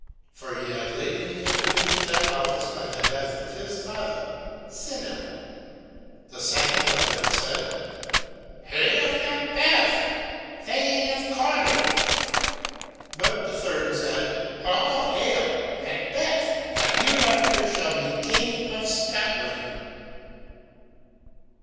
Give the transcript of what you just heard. (for he had lately entered into that office by the death of his father Sinell). The second of them said:—"Hail Makbeth, thane of Cawder!"But the third said:—"All hail Makbeth, that hereafter shall be King of Scotland!"